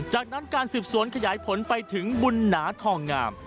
จากนั้นการสืบสวนขยายผลไปถึงบุญหนาทองงาม